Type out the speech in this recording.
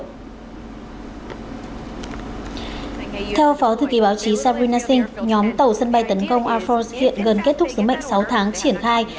theo phó thư ký báo chí sabrina singh nhóm tàu sân bay tấn công air force hiện gần kết thúc sứ mệnh sáu tháng triển khai